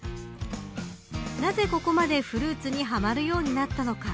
なぜここまで、フルーツにはまるようになったのか。